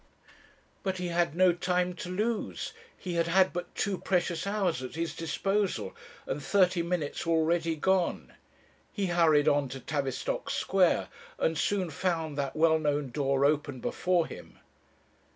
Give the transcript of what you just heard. "But he had no time to lose. He had had but two precious hours at his disposal, and thirty minutes were already gone. He hurried on to Tavistock Square, and soon found that well known door open before him.